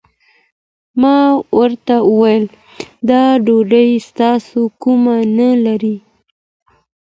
ما ورته وويل دا ډوډۍ تاسو کوم نه لرئ؟